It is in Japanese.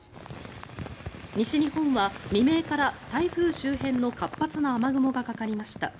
西日本は未明から台風周辺の活発な雨雲がかかりました。